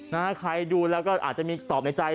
นะใครดูแล้วก็อาจจะมีตอบในใจ